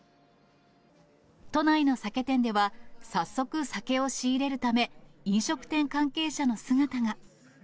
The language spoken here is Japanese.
都内の酒店では、早速、酒を仕入れるため、飲食店関係者の姿が。